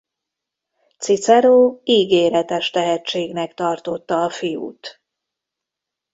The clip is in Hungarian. Cicero ígéretes tehetségnek tartotta a fiút.